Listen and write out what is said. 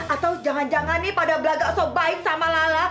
atau jangan jangan nih pada belaga sobaik sama lala